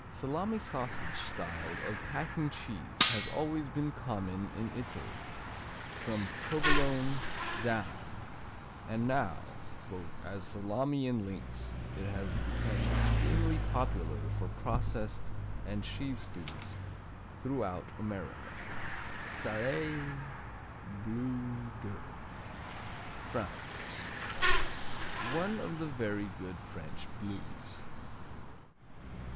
Salami sausage style of packing cheese has always been common in Italy, from Provolone down, and now both as salami and links it has became extremely popular for processed and cheese foods throughout America. Salers, Bleu de France One of the very good French Blues.